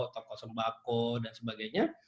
toko sembako dan sebagainya